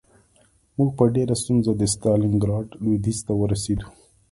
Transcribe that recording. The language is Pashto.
موږ په ډېره ستونزه د ستالینګراډ لویدیځ ته ورسېدو